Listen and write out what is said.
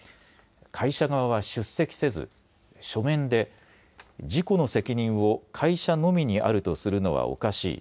会社側は出席せず書面で事故の責任を会社のみにあるとするのはおかしい。